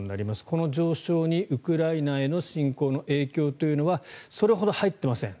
この上昇にウクライナへの侵攻の影響というのはそれほど入っていません。